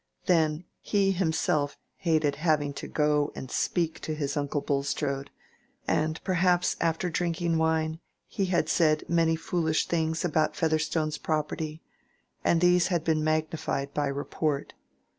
Then, he himself hated having to go and speak to his uncle Bulstrode, and perhaps after drinking wine he had said many foolish things about Featherstone's property, and these had been magnified by report.